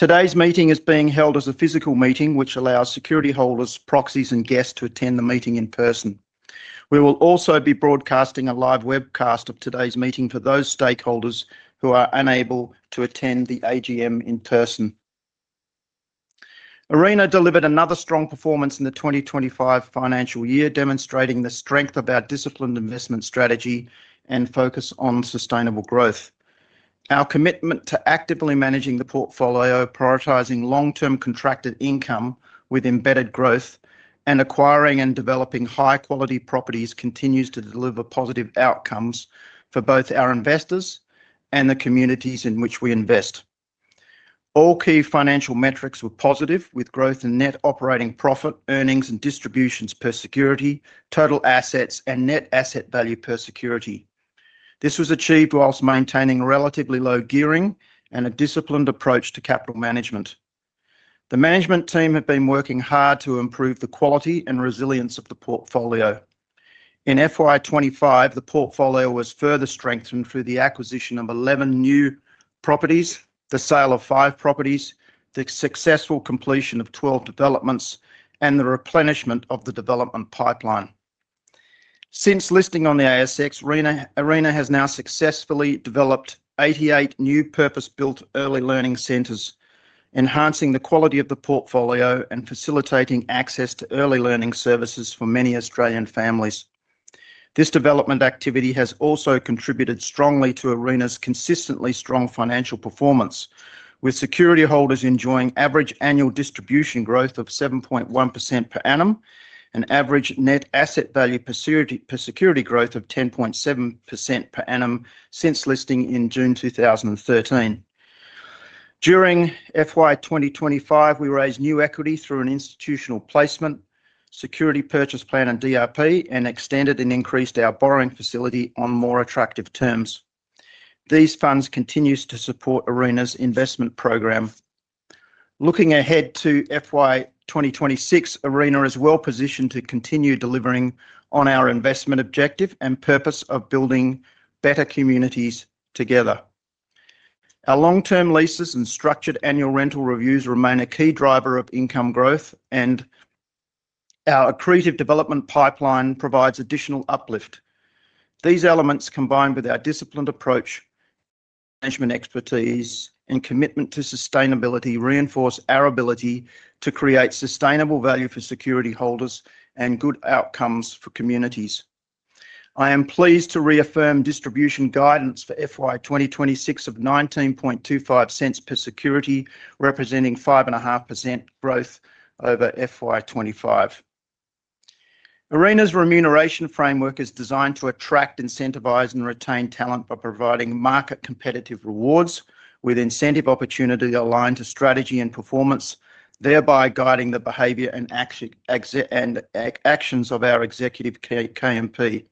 Today's meeting is being held as a physical meeting, which allows security holders, proxies, and guests to attend the meeting in person. We will also be broadcasting a live webcast of today's meeting for those stakeholders who are unable to attend the AGM in person. Arena delivered another strong performance in the 2025 financial year, demonstrating the strength of our disciplined investment strategy and focus on sustainable growth. Our commitment to actively managing the portfolio, prioritizing long-term contracted income with embedded growth, and acquiring and developing high-quality properties continues to deliver positive outcomes for both our investors and the communities in which we invest. All key financial metrics were positive, with growth in net operating profit, earnings and distributions per security, total assets, and net asset value per security. This was achieved while maintaining relatively low gearing and a disciplined approach to capital management. The management team have been working hard to improve the quality and resilience of the portfolio. In FY 2025, the portfolio was further strengthened through the acquisition of 11 new properties, the sale of five properties, the successful completion of 12 developments, and the replenishment of the development pipeline. Since listing on the ASX, Arena has now successfully developed 88 new purpose-built early learning centers, enhancing the quality of the portfolio and facilitating access to early learning services for many Australian families. This development activity has also contributed strongly to Arena's consistently strong financial performance, with security holders enjoying average annual distribution growth of 7.1% per annum and average net asset value per security growth of 10.7% per annum since listing in June 2013. During FY 2025, we raised new equity through an institutional placement, security purchase plan, and DRP, and extended and increased our borrowing facility on more attractive terms. These funds continue to support Arena's investment program. Looking ahead to FY 2026, Arena is well positioned to continue delivering on our investment objective and purpose of building better communities together. Our long-term leases and structured annual rental reviews remain a key driver of income growth, and our accretive development pipeline provides additional uplift. These elements, combined with our disciplined approach, management expertise, and commitment to sustainability, reinforce our ability to create sustainable value for security holders and good outcomes for communities. I am pleased to reaffirm distribution guidance for FY 2026 of 0.1925 per security, representing 5.5% growth over FY 2025. Arena's remuneration framework is designed to attract, incentivize, and retain talent by providing market-competitive rewards with incentive opportunity aligned to strategy and performance, thereby guiding the behavior and actions of our executive KMP.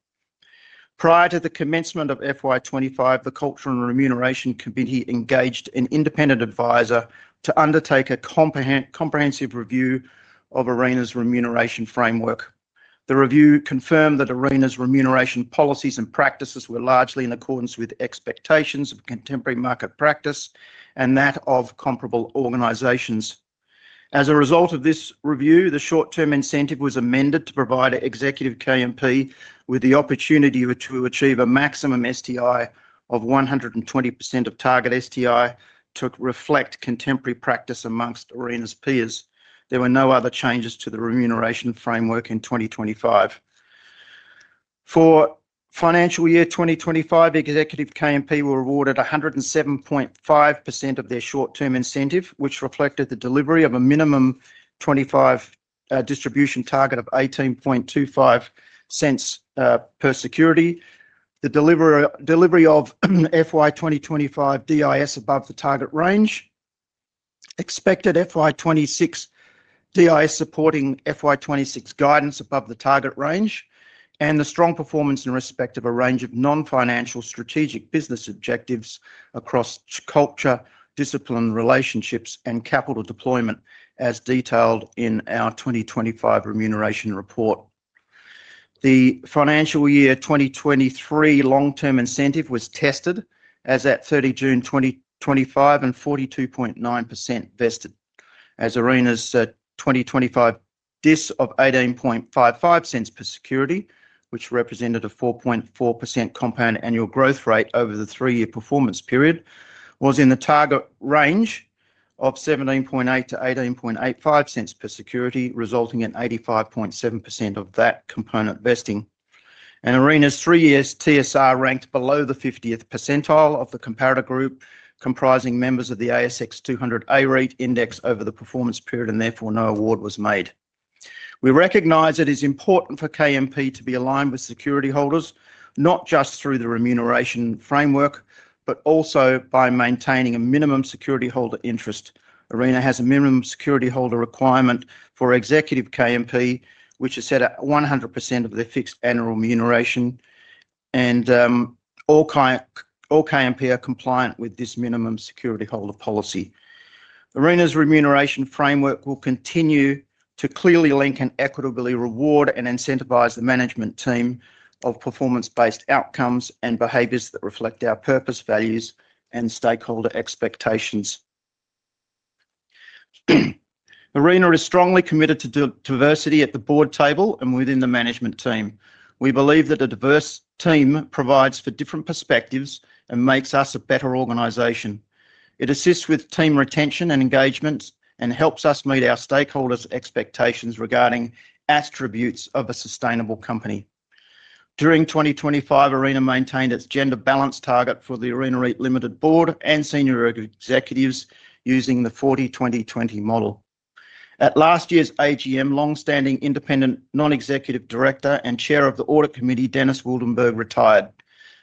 Prior to the commencement of FY 2025, the Cultural and Remuneration Committee engaged an independent advisor to undertake a comprehensive review of Arena's remuneration framework. The review confirmed that Arena's remuneration policies and practices were largely in accordance with expectations of contemporary market practice and that of comparable organizations. As a result of this review, the short-term incentive was amended to provide executive KMP with the opportunity to achieve a maximum STI of 120% of target STI to reflect contemporary practice amongst Arena's peers. There were no other changes to the remuneration framework in 2025. For financial year 2025, executive KMP were awarded 107.5% of their short-term incentive, which reflected the delivery of a minimum 25 distribution target of 0.1825 per security, the delivery of FY 2025 DIS above the target range, expected FY 2026 DIS supporting FY 2026 guidance above the target range, and the strong performance in respect of a range of non-financial strategic business objectives across culture, discipline, relationships, and capital deployment, as detailed in our 2025 remuneration report. The financial year 2023 long-term incentive was tested as at 30 June 2025 and 42.9% vested, as Arena's 2025 DIS of 0.1855 per security, which represented a 4.4% compound annual growth rate over the three-year performance period, was in the target range of 0.178-0.1885 per security, resulting in 85.7% of that component vesting. Arena's three-year TSR ranked below the 50th percentile of the comparator group, comprising members of the ASX 200 A-REIT index over the performance period, and therefore no award was made. We recognize it is important for KMP to be aligned with security holders, not just through the remuneration framework, but also by maintaining a minimum security holder interest. Arena has a minimum security holder requirement for executive KMP, which is set at 100% of their fixed annual remuneration, and all KMP are compliant with this minimum security holder policy. Arena's remuneration framework will continue to clearly link and equitably reward and incentivize the management team of performance-based outcomes and behaviors that reflect our purpose, values, and stakeholder expectations. Arena is strongly committed to diversity at the board table and within the management team. We believe that a diverse team provides for different perspectives and makes us a better organization. It assists with team retention and engagement and helps us meet our stakeholders' expectations regarding attributes of a sustainable company. During 2025, Arena maintained its gender balance target for the Arena REIT board and senior executives using the 40-20-20 model. At last year's AGM, long-standing independent non-executive director and chair of the audit committee, Dennis Waldenberg, retired.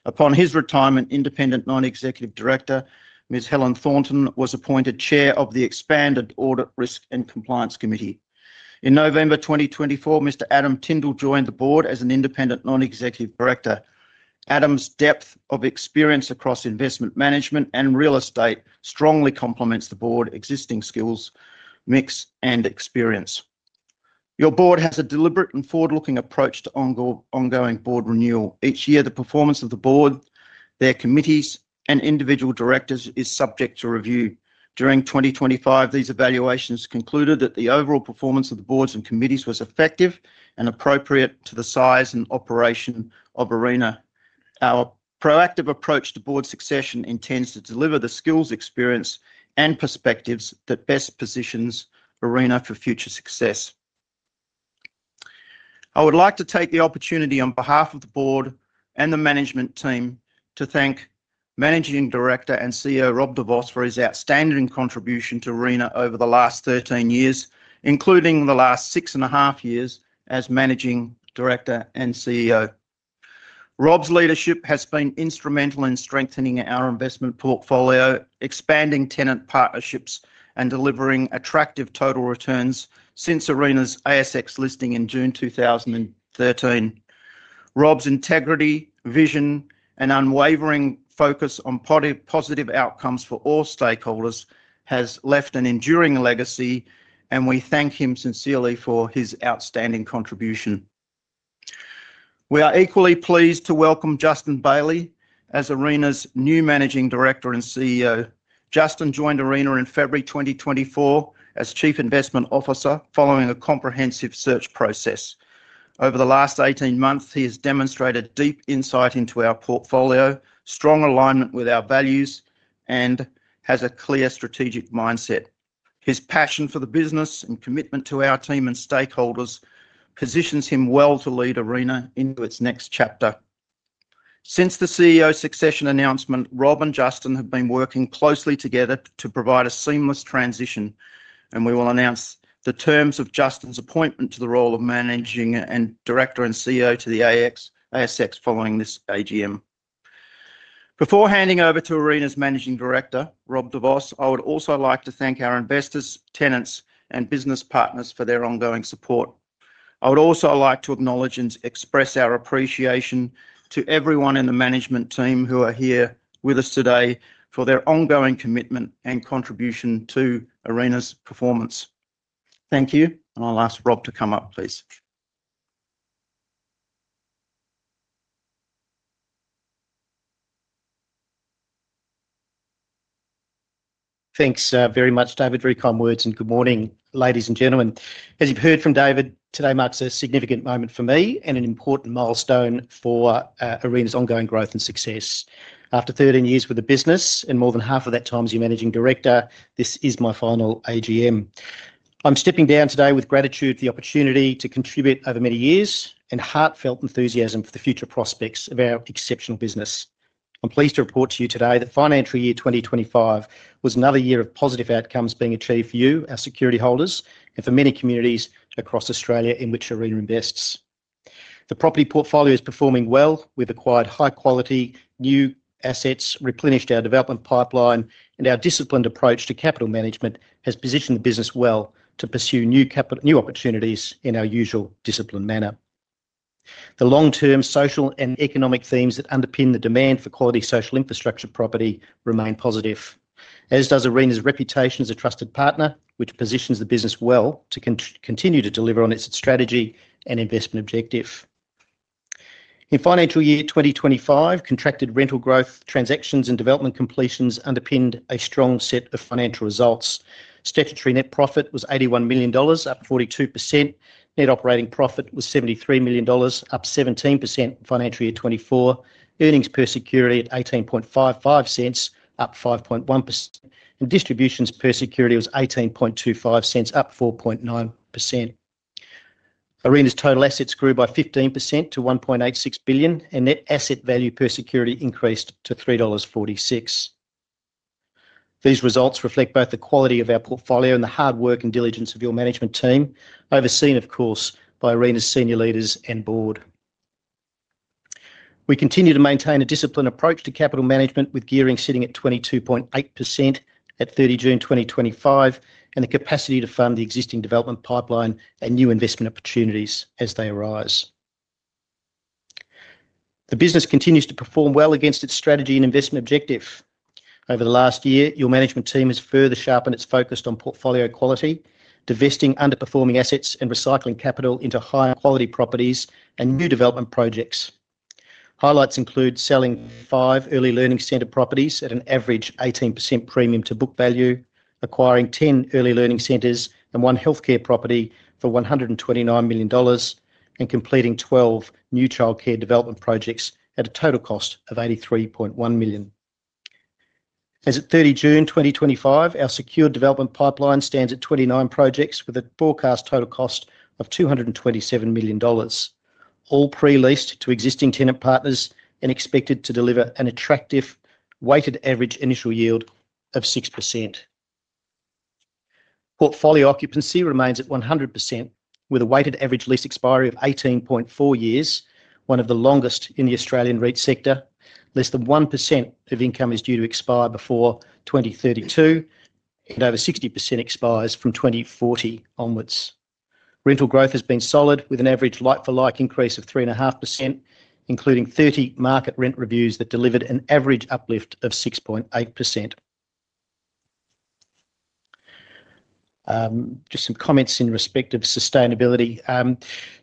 Upon his retirement, independent non-executive director, Ms. Helen Thornton, was appointed chair of the expanded audit, risk, and compliance committee. In November 2024, Mr. Adam Tindall joined the board as an independent non-executive director. Adam's depth of experience across investment management and real estate strongly complements the board's existing skills, mix, and experience. Your board has a deliberate and forward-looking approach to ongoing board renewal. Each year, the performance of the board, their committees, and individual directors is subject to review. During 2025, these evaluations concluded that the overall performance of the boards and committees was effective and appropriate to the size and operation of Arena. Our proactive approach to board succession intends to deliver the skills, experience, and perspectives that best positions Arena for future success. I would like to take the opportunity on behalf of the board and the management team to thank Managing Director and CEO Rob de Vos for his outstanding contribution to Arena over the last 13 years, including the last six and a half years as Managing Director and CEO. Rob's leadership has been instrumental in strengthening our investment portfolio, expanding tenant partnerships, and delivering attractive total returns since Arena's ASX listing in June 2013. Rob's integrity, vision, and unwavering focus on positive outcomes for all stakeholders has left an enduring legacy, and we thank him sincerely for his outstanding contribution. We are equally pleased to welcome Justin Bailey as Arena's new Managing Director and CEO. Justin joined Arena in February 2024 as Chief Investment Officer following a comprehensive search process. Over the last 18 months, he has demonstrated deep insight into our portfolio, strong alignment with our values, and has a clear strategic mindset. His passion for the business and commitment to our team and stakeholders positions him well to lead Arena into its next chapter. Since the CEO succession announcement, Rob and Justin have been working closely together to provide a seamless transition, and we will announce the terms of Justin's appointment to the role of Managing Director and CEO to the ASX following this AGM. Before handing over to Arena's Managing Director, Rob de Vos, I would also like to thank our investors, tenants, and business partners for their ongoing support. I would also like to acknowledge and express our appreciation to everyone in the management team who are here with us today for their ongoing commitment and contribution to Arena's performance. Thank you. I will ask Rob to come up, please. Thanks very much, David. Very kind words and good morning, ladies and gentlemen. As you've heard from David, today marks a significant moment for me and an important milestone for Arena's ongoing growth and success. After 13 years with the business and more than half of that time as your Managing Director, this is my final AGM. I'm stepping down today with gratitude for the opportunity to contribute over many years and heartfelt enthusiasm for the future prospects of our exceptional business. I'm pleased to report to you today that financial year 2025 was another year of positive outcomes being achieved for you, our security holders, and for many communities across Australia in which Arena invests. The property portfolio is performing well. We've acquired high-quality new assets, replenished our development pipeline, and our disciplined approach to capital management has positioned the business well to pursue new opportunities in our usual disciplined manner. The long-term social and economic themes that underpin the demand for quality social infrastructure property remain positive, as does Arena's reputation as a trusted partner, which positions the business well to continue to deliver on its strategy and investment objective. In financial year 2025, contracted rental growth transactions and development completions underpinned a strong set of financial results. Statutory net profit was 81 million dollars, up 42%. Net operating profit was 73 million dollars, up 17% in financial year 2024. Earnings per security at 0.1855, up 5.1%, and distributions per security was 0.1825, up 4.9%. Arena's total assets grew by 15% to 1.86 billion, and net asset value per security increased to 3.46 dollars. These results reflect both the quality of our portfolio and the hard work and diligence of your management team, overseen, of course, by Arena's senior leaders and board. We continue to maintain a disciplined approach to capital management, with gearing sitting at 22.8% at 30 June 2025 and the capacity to fund the existing development pipeline and new investment opportunities as they arise. The business continues to perform well against its strategy and investment objective. Over the last year, your management team has further sharpened its focus on portfolio quality, divesting underperforming assets and recycling capital into higher quality properties and new development projects. Highlights include selling five early learning center properties at an average 18% premium to book value, acquiring 10 early learning centers and one healthcare property for 129 million dollars, and completing 12 new childcare development projects at a total cost of 83.1 million. As of 30 June 2025, our secured development pipeline stands at 29 projects with a forecast total cost of 227 million dollars, all pre-leased to existing tenant partners and expected to deliver an attractive weighted average initial yield of 6%. Portfolio occupancy remains at 100%, with a weighted average lease expiry of 18.4 years, one of the longest in the Australian REIT sector. Less than 1% of income is due to expire before 2032, and over 60% expires from 2040 onwards. Rental growth has been solid, with an average like-for-like increase of 3.5%, including 30 market rent reviews that delivered an average uplift of 6.8%. Just some comments in respect of sustainability.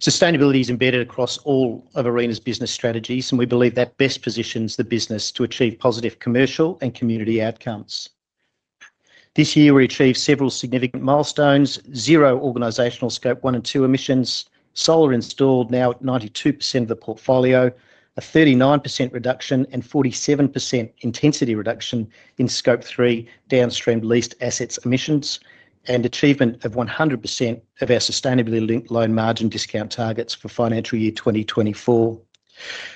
Sustainability is embedded across all of Arena's business strategies, and we believe that best positions the business to achieve positive commercial and community outcomes. This year, we achieved several significant milestones: zero organizational scope one and two emissions, solar installed now at 92% of the portfolio, a 39% reduction and 47% intensity reduction in scope three downstream leased assets emissions, and achievement of 100% of our sustainability loan margin discount targets for financial year 2024.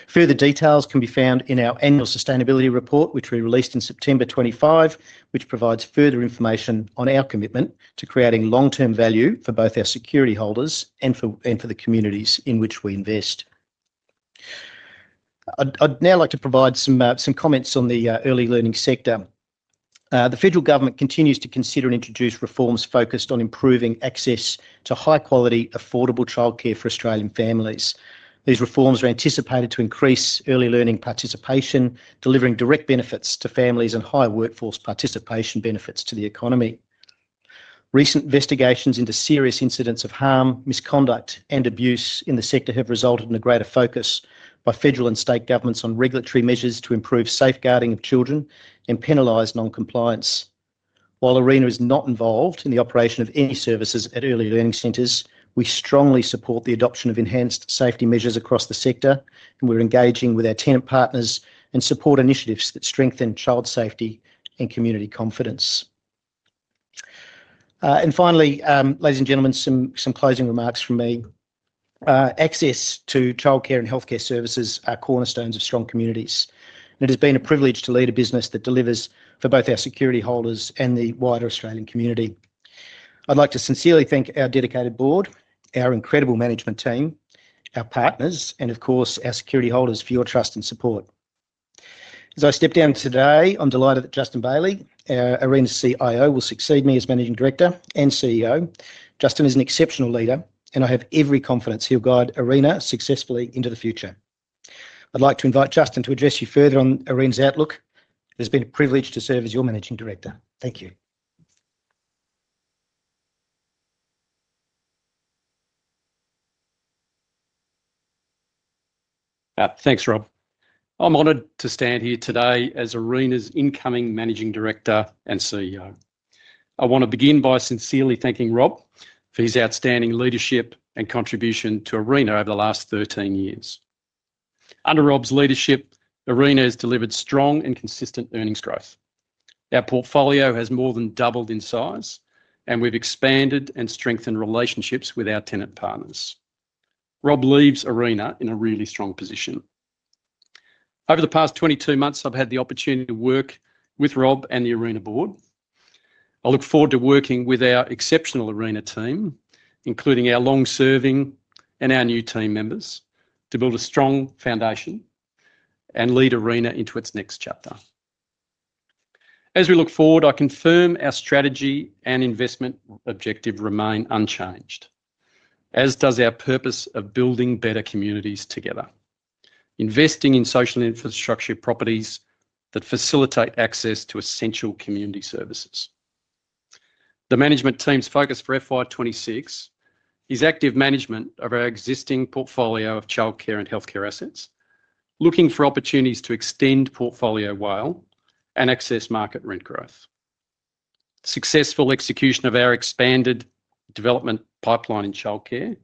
Further details can be found in our annual sustainability report, which we released in September 25, which provides further information on our commitment to creating long-term value for both our security holders and for the communities in which we invest. I'd now like to provide some comments on the early learning sector. The federal government continues to consider and introduce reforms focused on improving access to high-quality, affordable childcare for Australian families. These reforms are anticipated to increase early learning participation, delivering direct benefits to families and high workforce participation benefits to the economy. Recent investigations into serious incidents of harm, misconduct, and abuse in the sector have resulted in a greater focus by federal and state governments on regulatory measures to improve safeguarding of children and penalize non-compliance. While Arena is not involved in the operation of any services at early learning centers, we strongly support the adoption of enhanced safety measures across the sector, and we are engaging with our tenant partners and support initiatives that strengthen child safety and community confidence. Finally, ladies and gentlemen, some closing remarks from me. Access to childcare and healthcare services are cornerstones of strong communities, and it has been a privilege to lead a business that delivers for both our security holders and the wider Australian community. I would like to sincerely thank our dedicated board, our incredible management team, our partners, and of course, our security holders for your trust and support. As I step down today, I'm delighted that Justin Bailey, Arena's CIO, will succeed me as Managing Director and CEO. Justin is an exceptional leader, and I have every confidence he'll guide Arena successfully into the future. I'd like to invite Justin to address you further on Arena's outlook. It has been a privilege to serve as your Managing Director. Thank you. Thanks, Rob. I'm honored to stand here today as Arena's incoming Managing Director and CEO. I want to begin by sincerely thanking Rob for his outstanding leadership and contribution to Arena over the last 13 years. Under Rob's leadership, Arena has delivered strong and consistent earnings growth. Our portfolio has more than doubled in size, and we've expanded and strengthened relationships with our tenant partners. Rob leaves Arena in a really strong position. Over the past 22 months, I've had the opportunity to work with Rob and the Arena board. I look forward to working with our exceptional Arena team, including our long-serving and our new team members, to build a strong foundation and lead Arena into its next chapter. As we look forward, I confirm our strategy and investment objective remain unchanged, as does our purpose of building better communities together, investing in social infrastructure properties that facilitate access to essential community services. The management team's focus for FY 2026 is active management of our existing portfolio of childcare and healthcare assets, looking for opportunities to extend portfolio well and access market rent growth. Successful execution of our expanded development pipeline in childcare,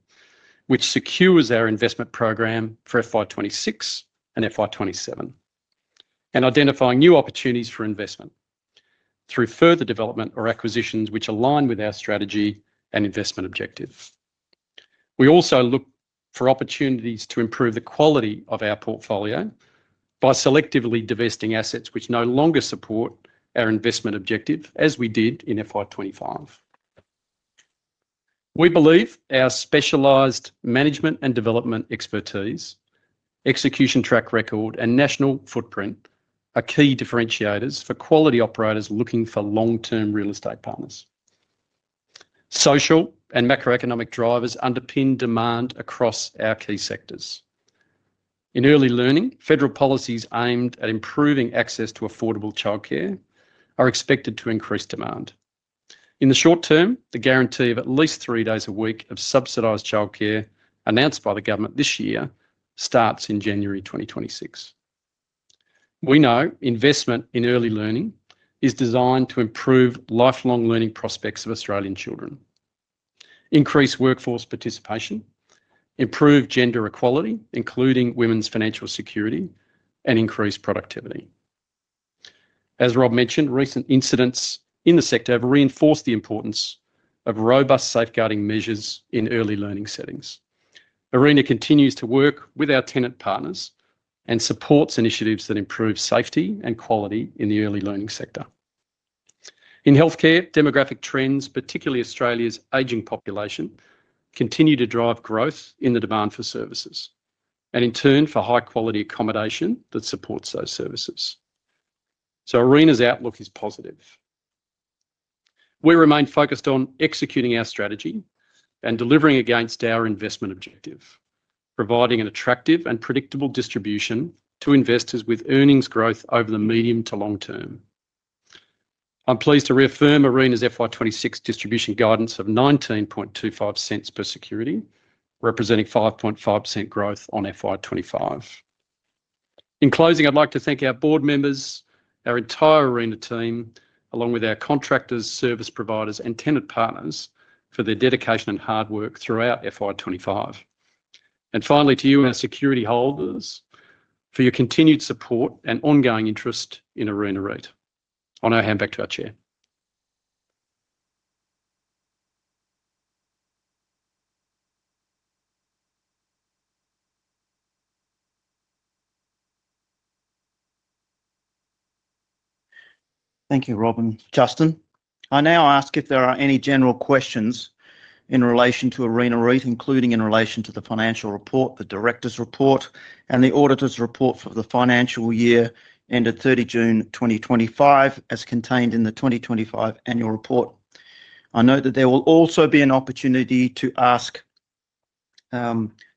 which secures our investment program for FY 2026 and FY2027, and identifying new opportunities for investment through further development or acquisitions which align with our strategy and investment objective. We also look for opportunities to improve the quality of our portfolio by selectively divesting assets which no longer support our investment objective as we did in FY 2025. We believe our specialised management and development expertise, execution track record, and national footprint are key differentiators for quality operators looking for long-term real estate partners. Social and macroeconomic drivers underpin demand across our key sectors. In early learning, federal policies aimed at improving access to affordable childcare are expected to increase demand. In the short term, the guarantee of at least three days a week of subsidised childcare announced by the government this year starts in January 2026. We know investment in early learning is designed to improve lifelong learning prospects of Australian children, increase workforce participation, improve gender equality, including women's financial security, and increase productivity. As Rob mentioned, recent incidents in the sector have reinforced the importance of robust safeguarding measures in early learning settings. Arena continues to work with our tenant partners and supports initiatives that improve safety and quality in the early learning sector. In healthcare, demographic trends, particularly Australia's aging population, continue to drive growth in the demand for services and, in turn, for high-quality accommodation that supports those services. Arena's outlook is positive. We remain focused on executing our strategy and delivering against our investment objective, providing an attractive and predictable distribution to investors with earnings growth over the medium to long term. I'm pleased to reaffirm Arena's FY 2026 distribution guidance of 0.1925 per security, representing 5.5% growth on FY 2025. In closing, I'd like to thank our board members, our entire Arena team, along with our contractors, service providers, and tenant partners for their dedication and hard work throughout FY 2025. Finally, to you, our security holders, for your continued support and ongoing interest in Arena REIT. I'll now hand back to our Chair. Thank you, Rob and Justin. I now ask if there are any general questions in relation to Arena REIT, including in relation to the financial report, the director's report, and the auditor's report for the financial year ended 30 June 2025, as contained in the 2025 annual report. I note that there will also be an opportunity to ask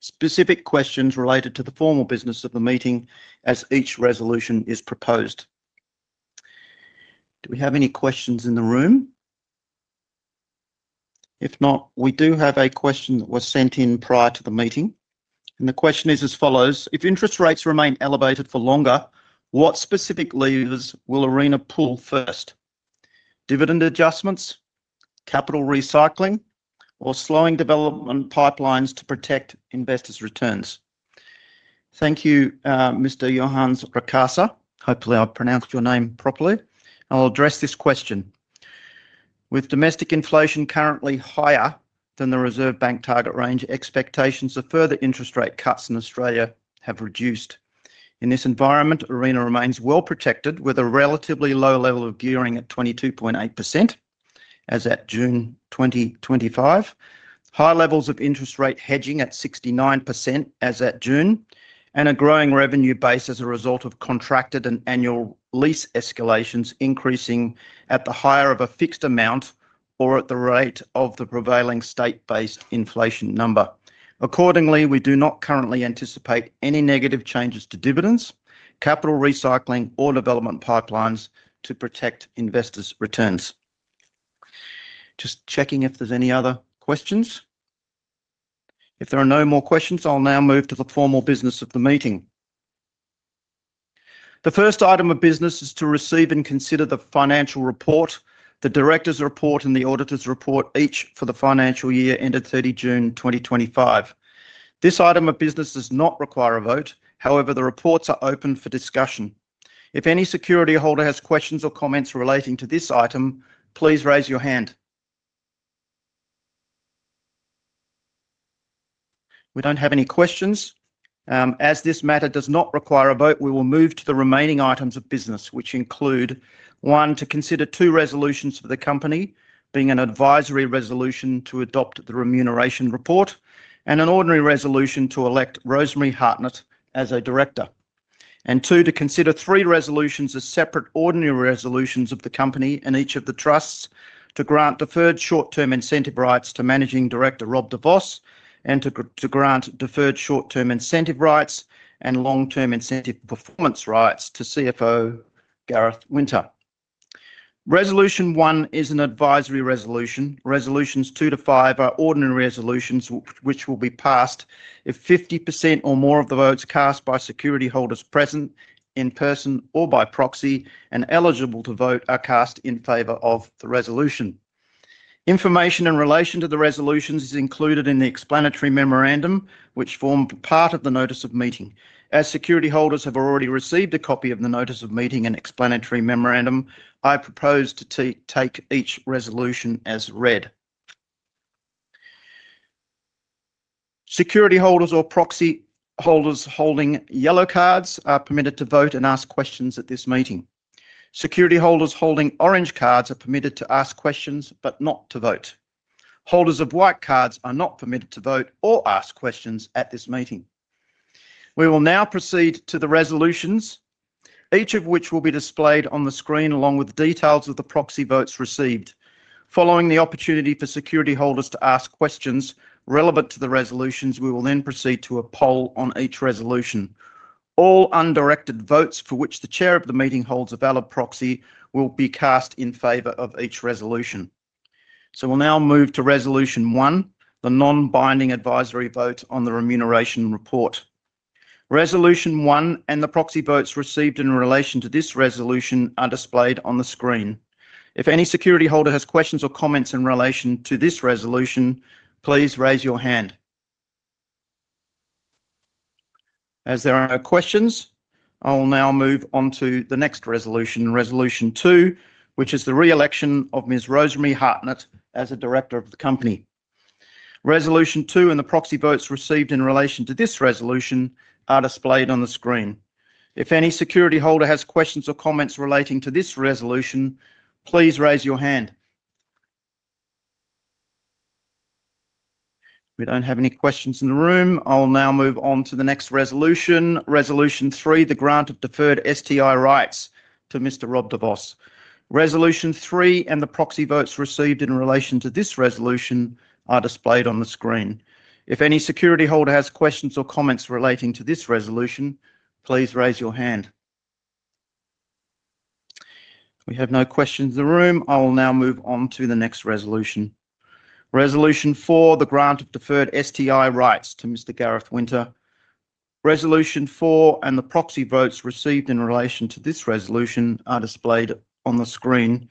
specific questions related to the formal business of the meeting as each resolution is proposed. Do we have any questions in the room? If not, we do have a question that was sent in prior to the meeting. The question is as follows: If interest rates remain elevated for longer, what specific levers will Arena pull first? Dividend adjustments, capital recycling, or slowing development pipelines to protect investors' returns? Thank you, Mr. Johannes Rikasa. Hopefully, I've pronounced your name properly. I'll address this question. With domestic inflation currently higher than the Reserve Bank target range, expectations of further interest rate cuts in Australia have reduced. In this environment, Arena remains well protected with a relatively low level of gearing at 22.8% as at June 2025, high levels of interest rate hedging at 69% as at June, and a growing revenue base as a result of contracted and annual lease escalations increasing at the higher of a fixed amount or at the rate of the prevailing state-based inflation number. Accordingly, we do not currently anticipate any negative changes to dividends, capital recycling, or development pipelines to protect investors' returns. Just checking if there's any other questions. If there are no more questions, I'll now move to the formal business of the meeting. The first item of business is to receive and consider the financial report, the director's report, and the auditor's report, each for the financial year ended 30 June 2025. This item of business does not require a vote. However, the reports are open for discussion. If any security holder has questions or comments relating to this item, please raise your hand. We don't have any questions. As this matter does not require a vote, we will move to the remaining items of business, which include: one, to consider two resolutions for the company being an advisory resolution to adopt the remuneration report and an ordinary resolution to elect Rosemary Hartnett as a director; and two, to consider three resolutions as separate ordinary resolutions of the company and each of the trusts to grant deferred short-term incentive rights to Managing Director Rob de Vos and to grant deferred short-term incentive rights and long-term incentive performance rights to CFO Gareth Winter. Resolution one is an advisory resolution. Resolutions two to five are ordinary resolutions, which will be passed if 50% or more of the votes cast by security holders present in person or by proxy and eligible to vote are cast in favor of the resolution. Information in relation to the resolutions is included in the explanatory memorandum, which formed part of the notice of meeting. As security holders have already received a copy of the notice of meeting and explanatory memorandum, I propose to take each resolution as read. Security holders or proxy holders holding yellow cards are permitted to vote and ask questions at this meeting. Security holders holding orange cards are permitted to ask questions but not to vote. Holders of white cards are not permitted to vote or ask questions at this meeting. We will now proceed to the resolutions, each of which will be displayed on the screen along with details of the proxy votes received. Following the opportunity for security holders to ask questions relevant to the resolutions, we will then proceed to a poll on each resolution. All undirected votes for which the chair of the meeting holds a valid proxy will be cast in favor of each resolution. We will now move to resolution one, the non-binding advisory vote on the remuneration report. Resolution one and the proxy votes received in relation to this resolution are displayed on the screen. If any security holder has questions or comments in relation to this resolution, please raise your hand. As there are no questions, I will now move on to the next resolution, resolution two, which is the re-election of Ms. Rosemary Hartnett as a director of the company. Resolution two and the proxy votes received in relation to this resolution are displayed on the screen. If any security holder has questions or comments relating to this resolution, please raise your hand. We do not have any questions in the room. I'll now move on to the next resolution, resolution three, the grant of deferred STI rights to Mr. Rob de Vos. Resolution three and the proxy votes received in relation to this resolution are displayed on the screen. If any security holder has questions or comments relating to this resolution, please raise your hand. We have no questions in the room. I will now move on to the next resolution. Resolution four, the grant of deferred STI rights to Mr. Gareth Winter. Resolution four and the proxy votes received in relation to this resolution are displayed on the screen.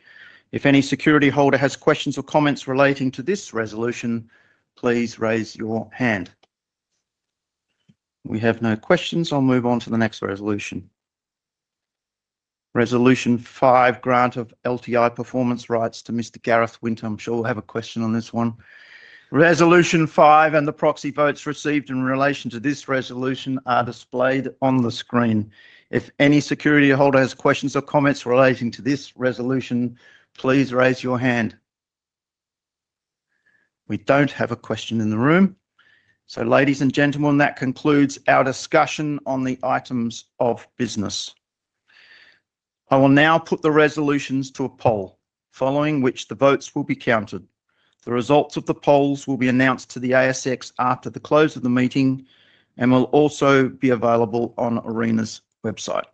If any security holder has questions or comments relating to this resolution, please raise your hand. We have no questions. I'll move on to the next resolution. Resolution five, grant of LTI performance rights to Mr. Gareth Winter. I'm sure we'll have a question on this one. Resolution five and the proxy votes received in relation to this resolution are displayed on the screen. If any security holder has questions or comments relating to this resolution, please raise your hand. We do not have a question in the room. Ladies and gentlemen, that concludes our discussion on the items of business. I will now put the resolutions to a poll, following which the votes will be counted. The results of the polls will be announced to the ASX after the close of the meeting and will also be available on Arena's website.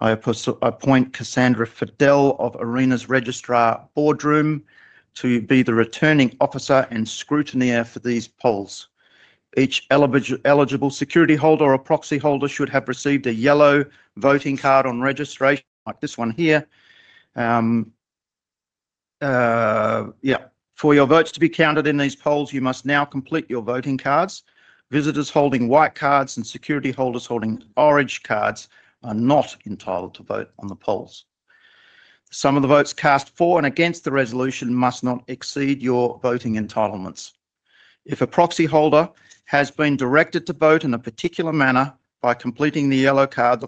I appoint Cassandra Fidel of Arena's registrar Boardroom to be the returning officer and scrutineer for these polls. Each eligible security holder or proxy holder should have received a yellow voting card on registration, like this one here. Yeah. For your votes to be counted in these polls, you must now complete your voting cards. Visitors holding white cards and security holders holding orange cards are not entitled to vote on the polls. Some of the votes cast for and against the resolution must not exceed your voting entitlements. If a proxy holder has been directed to vote in a particular manner by completing the yellow card,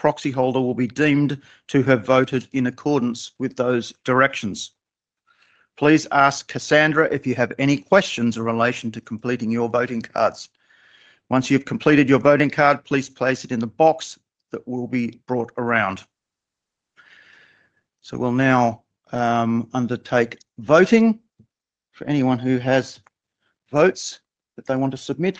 the proxy holder will be deemed to have voted in accordance with those directions. Please ask Cassandra if you have any questions in relation to completing your voting cards. Once you've completed your voting card, please place it in the box that will be brought around. We will now undertake voting for anyone who has votes that they want to submit.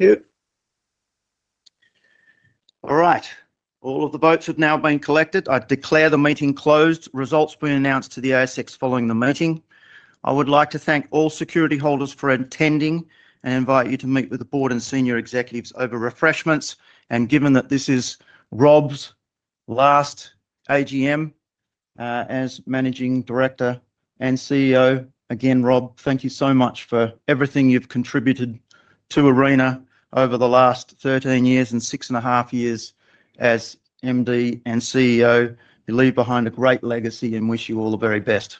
All right. All of the votes have now been collected. I declare the meeting closed. Results will be announced to the ASX following the meeting. I would like to thank all security holders for attending and invite you to meet with the board and senior executives over refreshments. Given that this is Rob's last AGM as Managing Director and CEO, again, Rob, thank you so much for everything you've contributed to Arena over the last 13 years and six and a half years as MD and CEO. You leave behind a great legacy and wish you all the very best.